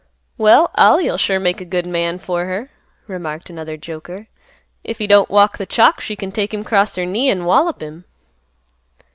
"Well, Ollie'll sure make a good man for her," remarked another joker; "if he don't walk th' chalk, she can take him 'cross her knee an' wallop him."